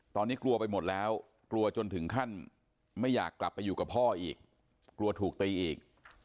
ตอนนี้กลัวไปหมดแล้วกลัวจนถึงขั้นไม่อยากกลับไปอยู่กับพ่ออีกกลัวถูกตีอีก